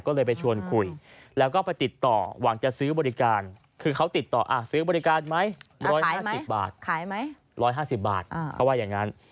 ก็เห็นเกิดเหตุเกิดเขาเมาเหล้าขาว